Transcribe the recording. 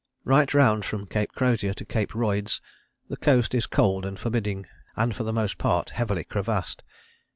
" Right round from Cape Crozier to Cape Royds the coast is cold and forbidding, and for the most part heavily crevassed.